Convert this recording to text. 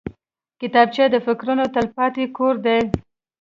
کتابچه د فکرونو تلپاتې کور دی